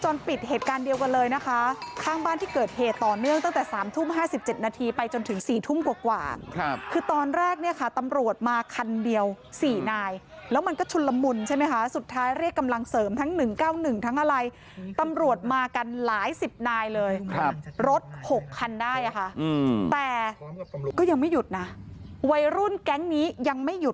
ปิดเหตุการณ์เดียวกันเลยนะคะข้างบ้านที่เกิดเหตุต่อเนื่องตั้งแต่๓ทุ่ม๕๗นาทีไปจนถึงสี่ทุ่มกว่าครับคือตอนแรกเนี่ยค่ะตำรวจมาคันเดียว๔นายแล้วมันก็ชุนละมุนใช่ไหมคะสุดท้ายเรียกกำลังเสริมทั้ง๑๙๑ทั้งอะไรตำรวจมากันหลายสิบนายเลยครับรถหกคันได้อ่ะค่ะแต่ก็ยังไม่หยุดนะวัยรุ่นแก๊งนี้ยังไม่หยุด